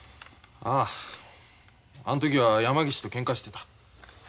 あああの時は山岸とけんかしてた。